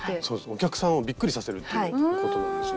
お客さんをびっくりさせるということなんですね。